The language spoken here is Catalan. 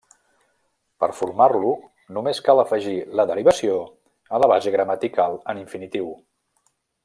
Per formar-lo només cal afegir la derivació a la base gramatical en infinitiu.